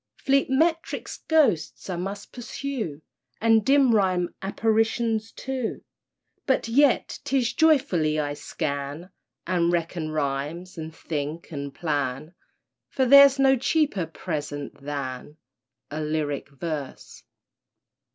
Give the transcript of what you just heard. Fleet metric ghosts I must pursue, And dim rhyme apparitions, too— But yet, 'tis joyfully I scan, And reckon rhymes and think and plan For there's no cheaper present than A lyric verse.